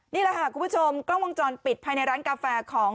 นี่แหละค่ะคุณผู้ชมกล้องวงจรปิดภายในร้านกาแฟของ